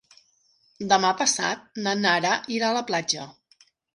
Demà passat na Nara irà a la platja.